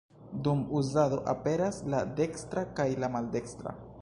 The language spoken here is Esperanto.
Dum uzado aperas la dekstra kaj la maldekstra.